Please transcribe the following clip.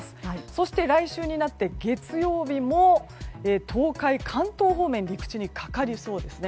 そして来週になって月曜日も東海、関東方面陸地にかかりそうですね。